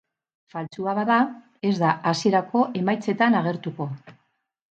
Faltsua bada, ez da hasierako emaitzetan agertuko.